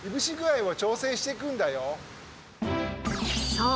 そう！